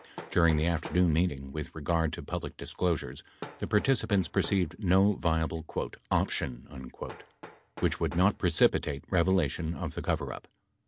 During the afternoon meeting, with regard to public disclosures, the participants perceived no viable "option" which would not precipitate revelation of the coverup.